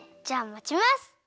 じゃあまちます。